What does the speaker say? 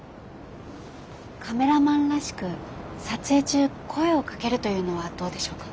カメラマンらしく撮影中声をかけるというのはどうでしょうか？